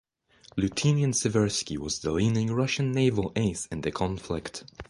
Lieutenant Seversky was the leading Russian naval ace in the conflict.